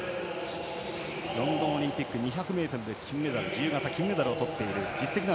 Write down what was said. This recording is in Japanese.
ロンドンオリンピック２００ｍで自由形金メダルをとっています。